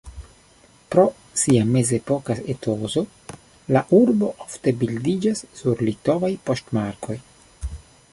Pro sia mezepoka etoso, la urbo ofte bildiĝas sur litovaj poŝtmarkoj.